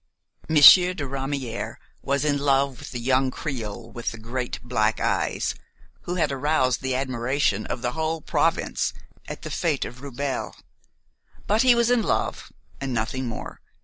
Monsieur de Ramière was in love with the young creole with the great black eyes, who had aroused the admiration of the whole province at the fête of Rubelles; but he was in love and nothing more.